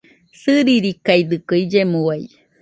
Sɨririkaidɨkue illemo uailla.